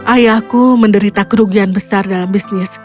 ayahku menderita kerugian besar dalam bisnis